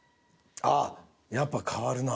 あっやっぱ変わるな。